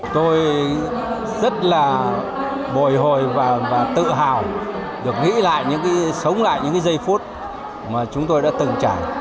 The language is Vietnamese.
tôi rất là bồi hồi và tự hào được nghĩ lại sống lại những cái giây phút mà chúng tôi đã từng trải